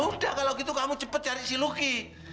udah kalau gitu kamu cepet cari si lucky